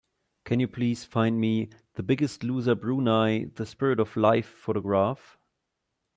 Can you please find me The Biggest Loser Brunei: The Spirit of Life photograph?